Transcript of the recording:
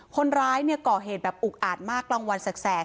คนร้ายเนี่ยก่อเหตุแบบอุกอาดมากกลางวันแสก